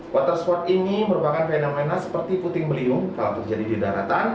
water sport ini merupakan fenomena seperti puting beliung kalau terjadi di daratan